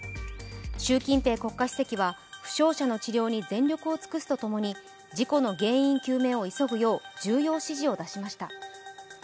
習近平国家主席は負傷者の治療に全力を尽くすとともに事故の原因究明を急ぐよう重要指示を出しました。